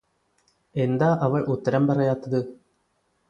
എന്താ അവൾ ഉത്തരം പറയാത്തത്